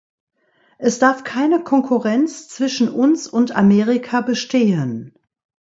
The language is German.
Es darf keine Konkurrenz zwischen uns und Amerika bestehen.